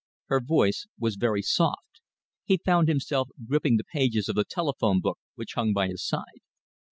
Her voice was very soft. He found himself gripping the pages of the telephone book which hung by his side.